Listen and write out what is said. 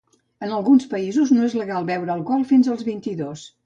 En alguns països no és legal beure alcohol fins als vint-i-dos.